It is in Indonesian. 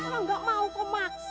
kok gak mau kok maksa